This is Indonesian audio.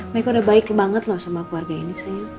mereka udah baik banget loh sama keluarga ini